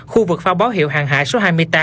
khu vực phao báo hiệu hàng hải số hai mươi tám